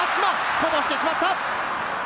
こぼしてしまった！